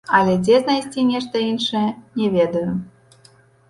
А дзе знайсці нешта іншае, не ведаю.